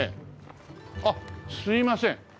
あっすみません。